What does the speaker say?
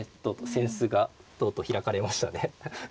扇子がとうとう開かれましたね。